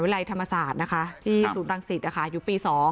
ลัยธรรมศาสตร์นะคะที่ศูนย์รังสิตอยู่ปี๒